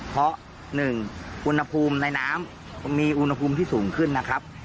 เพราะ๑อุณหภูมิในน้ำมีอุณหภูมิที่สูงขึ้นนะครับ